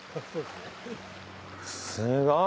すごい！